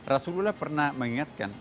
rasulullah pernah mengingatkan